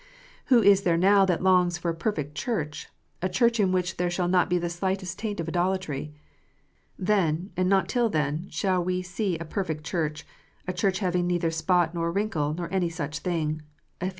Who is there now that longs for a perfect Church a Church in which there shall not be the slightest taint of idolatry 1 You must wait for the Lord s return. Then, and not till then, shall we see a perfect Church, a Church having neither spot nor wrinkle, nor any such thing (Eph.